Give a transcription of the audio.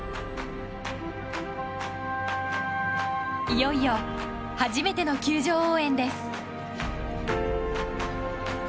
いよいよ初めての球場応援です。